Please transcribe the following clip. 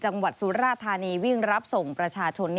สุราธานีวิ่งรับส่งประชาชน